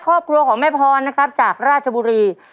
ครอบครัวของแม่พรนะครับจากราชบุรี